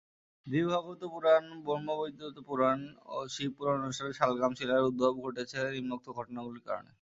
দেবীভাগবত পুরাণ, ব্রহ্মবৈবর্ত পুরাণ ও শিব পুরাণ অনুসারে শালগ্রাম শিলার উদ্ভব ঘটেছে নিম্নোক্ত ঘটনাগুলির কারণে।